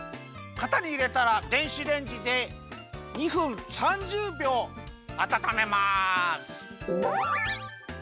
かたにいれたら電子レンジで２分３０びょうあたためます。